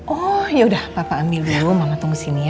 oh yaudah papa ambil dulu mama tunggu sini ya